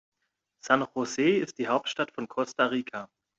San José ist die Hauptstadt von Costa Rica.